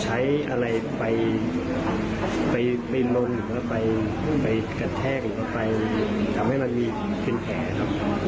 จากการใช้อะไรไปลงหรือไปกระแทกหรือไปทำให้มันมีขึ้นแผลครับ